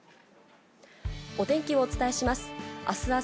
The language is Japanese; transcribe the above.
お天気をお伝えします。